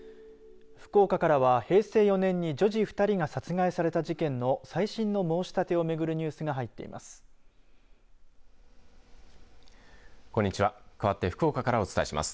福岡からは平成４年に女児２人が殺害された事件の再審の申し立てをめぐるニュースが入ってます。